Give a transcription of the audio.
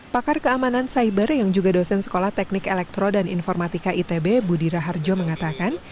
pakar keamanan cyber yang juga dosen sekolah teknik elektro dan informatika itb budi raharjo mengatakan